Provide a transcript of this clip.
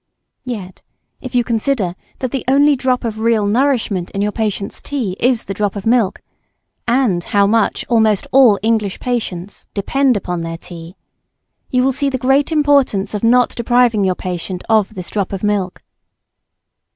Yet, if you consider that the only drop of real nourishment in your patient's tea is the drop of milk, and how much almost all English patients depend upon their tea, you will see the great importance of not depriving your patient of this drop of milk.